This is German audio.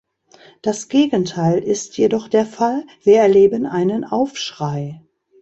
Das Gegenteil ist jedoch der Fall, wir erleben einen Aufschrei.